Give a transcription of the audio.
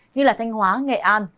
như thanh hóa nghệ an